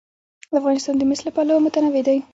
افغانستان د مس له پلوه متنوع دی.